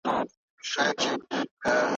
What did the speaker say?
زه اوس د بشري حقوقو ساتنه کوم.